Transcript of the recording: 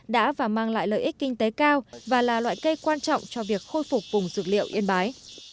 đã và mang lại lợi ích kinh tế cao và là loại cây quan trọng cho việc khôi phục vùng dược liệu yên bái